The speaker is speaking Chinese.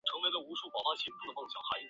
不在了还是很坚强